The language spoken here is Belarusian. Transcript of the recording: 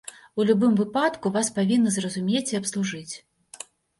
У любым выпадку, вас павінны зразумець і абслужыць.